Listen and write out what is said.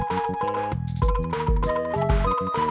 makan nasi merah